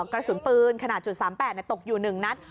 กระสุนปืนขนาด๓๘ตกอยู่๑นัด